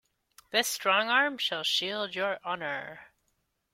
This strong arm shall shield your honor.